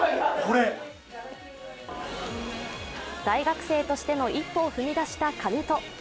大学生としての一歩を踏み出した金戸。